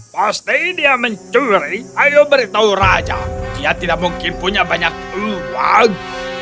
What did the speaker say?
pasti dia mencuri ayo beritahu raja dia tidak mungkin punya banyak uang